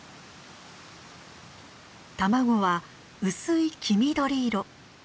卵は薄い黄緑色。